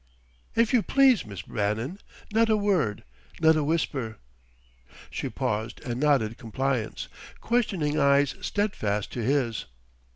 "If you please, Miss Bannon not a word, not a whisper!" She paused and nodded compliance, questioning eyes steadfast to his.